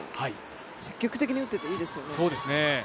積極的に打っていていいですよね。